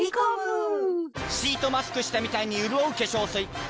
シートマスクしたみたいにうるおう化粧水